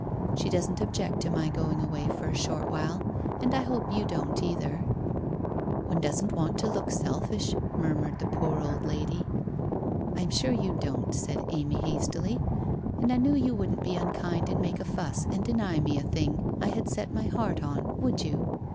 She doesn't object to my going away for a short while, and I hope you don't either?' 1 One doesn't want to look selfish,' murmured the poor old lady. ' I am sure you don't,' said Amy hastily. ' And I knew you wouldn't be unkind and make a fuss and deny me a thing I had set my heart on, would you?